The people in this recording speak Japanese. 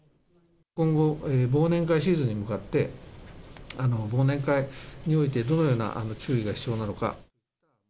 今後、忘年会シーズンに向かって、忘年会においてどのような注意が必要なのか。